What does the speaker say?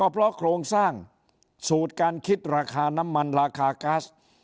เพราะโครงสร้างสูตรการคิดราคาน้ำมันราคาก๊าซ